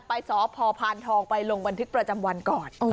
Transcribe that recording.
ไปสพพานทองไปลงบันทึกประจำวันก่อน